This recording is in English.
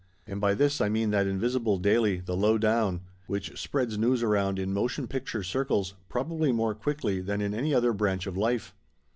And by this I mean that invisible daily, The Lowdown, which spreads news around in motion picture circles probably more quickly than in any other branch of life.